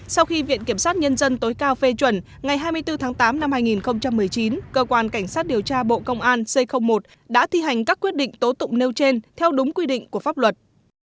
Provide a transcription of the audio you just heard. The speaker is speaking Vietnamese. sau khi viện kiểm sát nhân dân tối cao phê chuẩn ngày hai mươi bốn tháng tám năm hai nghìn một mươi chín cơ quan cảnh sát điều tra bộ công an c một đã thi hành các quyết định tố tụng nêu trên theo đúng quy định của pháp luật